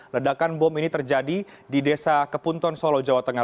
ledakan bom ini terjadi di desa kepunton solo jawa tengah